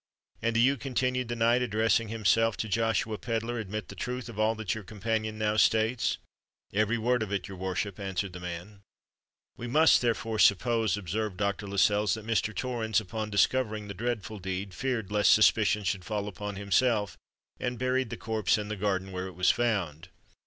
"And do you," continued the knight, addressing himself to Joshua Pedler, "admit the truth of all that your companion now states?" "Every word of it, your worship," answered the man. "We must therefore suppose," observed Dr. Lascelles, "that Mr. Torrens, upon discovering the dreadful deed, feared lest suspicion should fall upon himself, and buried the corpse in the garden where it was found."